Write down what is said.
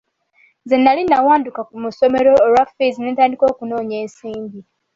Nze nali nawanduka mu ssomero olwa ffiizi ne ntandika okunoonya ensimbi.